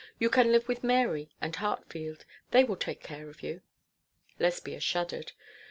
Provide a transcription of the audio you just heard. You can live with Mary and Hartfield. They will take care of you.' Lesbia shuddered.